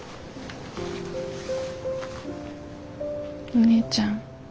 お姉ちゃん。